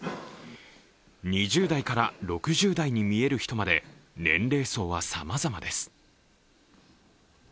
２０代から６０代に見える人まで年齢層はさまざまです。